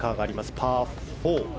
パー４。